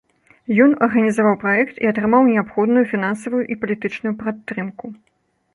Ён арганізаваў праект і атрымаў неабходную фінансавую і палітычную падтрымку.